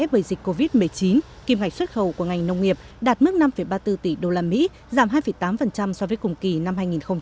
bởi dịch covid một mươi chín kim ngạch xuất khẩu của ngành nông nghiệp đạt mức năm ba mươi bốn tỷ usd giảm hai tám so với cùng kỳ năm hai nghìn một mươi chín